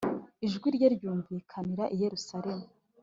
ijwi rye ryumvikanira i Yeruzalemu;